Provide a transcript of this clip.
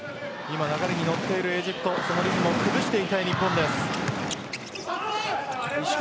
今、流れに乗っているエジプトのリズムを崩したい日本です。